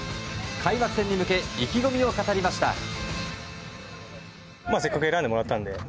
開幕戦に向け意気込みを語りました。